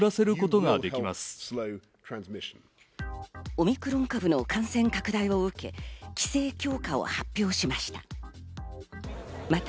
オミクロン株の感染拡大を受け、規制強化を発表しました。